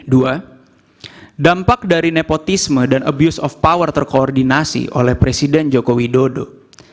dua dampak dari nepotisme dan abuse of power terkoordinasi oleh presiden joko widodo